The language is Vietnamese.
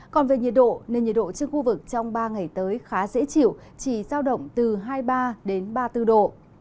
còn về nhiệt độ nền nhiệt độ trên khu vực trong ba ngày tới khá dễ chịu chỉ giao động từ hai mươi ba đến ba mươi bốn độ